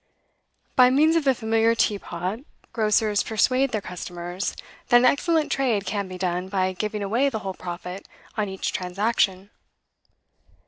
By means of the familiar teapot, grocers persuade their customers that an excellent trade can be done by giving away the whole profit on each transaction.